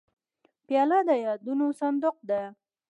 پیاله د یادونو صندوق ده.